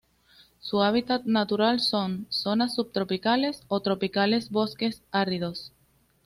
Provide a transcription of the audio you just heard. Su hábitat natural son: zonas subtropicales o tropicales bosques áridos.